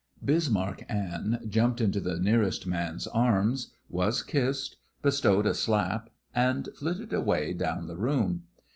Bismarck Anne jumped into the nearest man's arms, was kissed, bestowed a slap, and flitted away down the room.